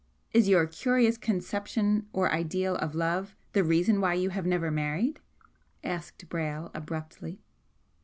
"Is your curious conception or ideal of love the reason, why you have never married?" asked Brayle, abruptly.